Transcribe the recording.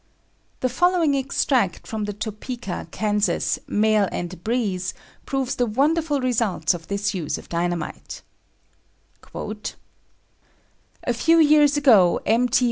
The following extract from the Topeka, Kansas, "Mail and Breeze" proves the wonderful results of this use of dynamite: "A few years ago M. T.